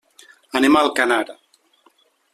Anem a Alcanar.